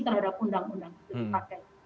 terhadap undang undang itu dipakai